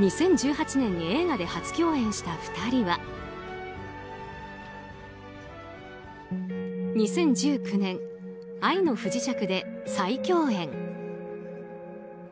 ２０１８年に映画で初共演した２人は２０１９年、「愛の不時着」で再共演。